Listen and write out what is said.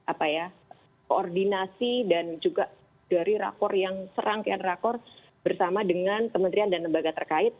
karena kembali lagi kalau syarat perjalanan ini adalah hasil koordinasi dan juga dari rakor yang serangkian rakor bersama dengan kementerian dan lembaga terkait